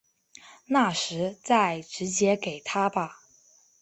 到时再直接给他吧